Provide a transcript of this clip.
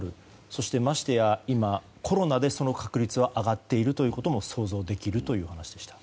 そして、ましてや今コロナで、その確率は上がっているということも想像できるというお話でした。